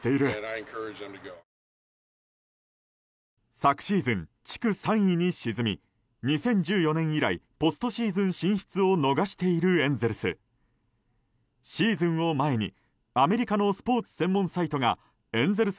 昨シーズン、地区３位に沈み２０１４年以来ポストシーズン進出を逃しているエンゼルス。